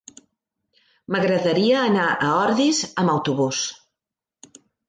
M'agradaria anar a Ordis amb autobús.